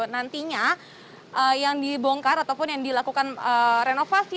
nantinya yang dibongkar ataupun yang dilakukan renovasi